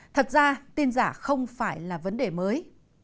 thật ra tin giả không phải là vấn đề mới